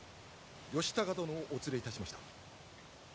義高殿をお連れいたしました。